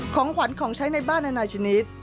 ของขวัญของใช้ในบ้านนานาชนิด